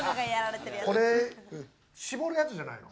これ搾るやつじゃないの？